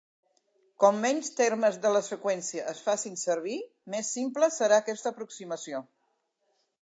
Com menys termes de la seqüència es facin servir, més simple serà aquesta aproximació.